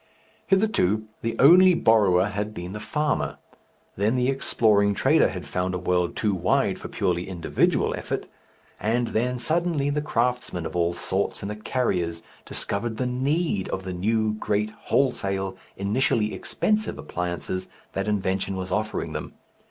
Hitherto the only borrower had been the farmer, then the exploring trader had found a world too wide for purely individual effort, and then suddenly the craftsmen of all sorts and the carriers discovered the need of the new, great, wholesale, initially expensive appliances that invention was offering them.